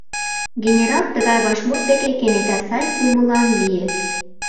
Генерал тыгай вашмут деке кенета сай кумылан лие.